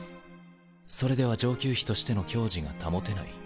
それでは上級妃としての矜持が保てない。